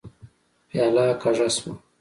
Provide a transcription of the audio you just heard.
پياله کږه شوه.